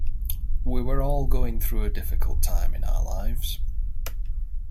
We were all going through a difficult time in our lives.